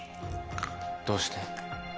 どうして？